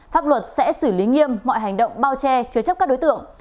pháp luật sẽ xử lý nghiêm mọi hành động bao che chứa chấp các đối tượng